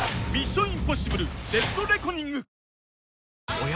おや？